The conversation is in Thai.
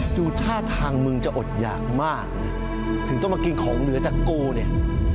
ดูท่าทางมึงจะอดหยากมากนะถึงต้องมากินของเหนือจากกูเนี่ย